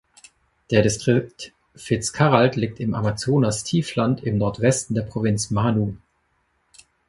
Der Distrikt Fitzcarrald liegt im Amazonastiefland im Nordwesten der Provinz Manu.